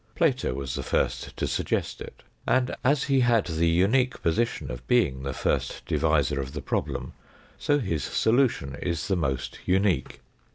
Plato was the first to suggest it. And as he had the unique position of being the first devisor of the problem, so his solution is the most unique.